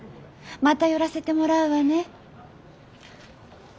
また寄らせてもらうわね。